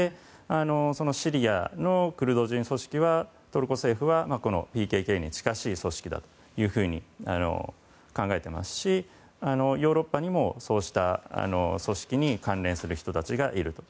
そのシリアのクルド人組織はトルコ政府はＰＫＫに近しい組織というふうに考えていますしヨーロッパにもそうした組織に関連する人たちがいると。